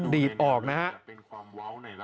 ดีดออกนะฮะ